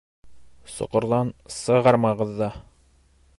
— Соҡорҙан сығармағыҙ ҙа.